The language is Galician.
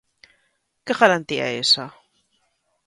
Que garantía é esa?